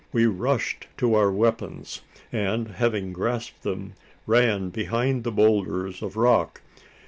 We rushed to our weapons; and, having grasped them, ran behind the boulders of rock.